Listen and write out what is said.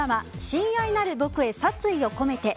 「親愛なる僕へ殺意をこめて」。